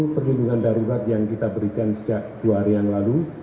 perlindungan darurat yang kita berikan sejak dua hari yang lalu